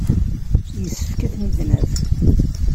Yessefk ad ten-id-naf.